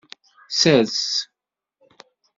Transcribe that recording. Sers.